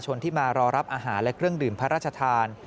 ที่มารอรับอาหารและเครื่องดื่มพระราชทาน